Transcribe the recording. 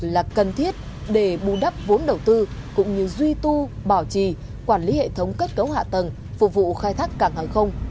là cần thiết để bù đắp vốn đầu tư cũng như duy tu bảo trì quản lý hệ thống kết cấu hạ tầng phục vụ khai thác cảng hàng không